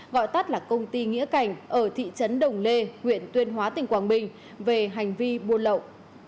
gọi tắt là công ty nghĩa cành ở thị trấn đồng lê huyện tuyên hóa tỉnh quảng bình về hành vi buôn lậu